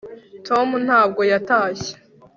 tom ntabwo yatashye